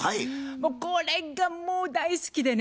これがもう大好きでね。